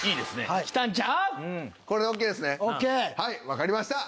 はいわかりました。